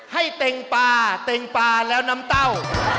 เต็งปลาเต็งปลาแล้วน้ำเต้า